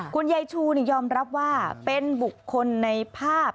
คุณยายชูยอมรับว่าเป็นบุคคลในภาพ